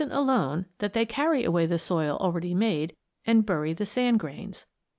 ] But it isn't alone that they carry away the soil already made and bury the sand grains.